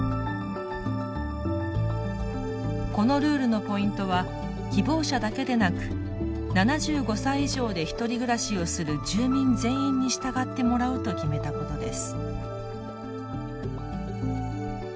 このルールのポイントは希望者だけでなく７５歳以上でひとり暮らしをする住民全員に従ってもらうと決めたことです。